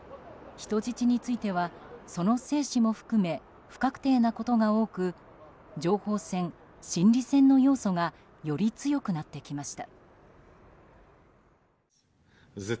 人質についてはその生死も含め不確定なことが多く情報戦・心理戦の要素がより強くなってきました。